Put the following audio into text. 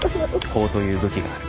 法という武器がある。